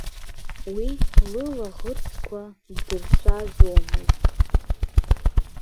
Уи лылаӷырӡқәа ддырцәажәомызт.